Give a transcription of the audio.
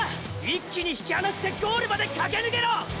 一気に引き離してゴールまで駆け抜けろ！！